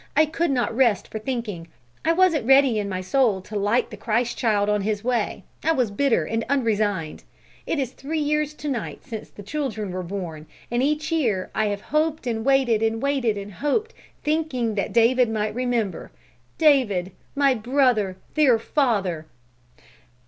I could not rest for thinking ... I wasn't ready in my soul to light the Christ Child on his way ... I was bitter and unresigned ... It is three years to night since the children were born ... and each year I have hoped and waited and waited and hoped, thinking that David might remember. David! my brother, their father!